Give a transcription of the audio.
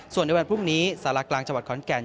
ส่วนในวันพรุ่งนี้สารกลางจังหวัดขอนแก่น